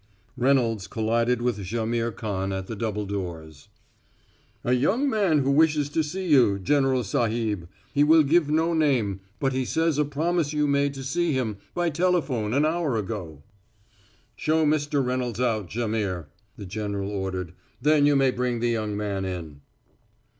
Reynolds collided with Jaimihr Khan at the double doors. "A young man who wishes to see you, General Sahib. He will give no name, but he says a promise you made to see him by telephone an hour ago." "Show Mr. Reynolds out, Jaimihr!" the general ordered. "Then you may bring the young man in."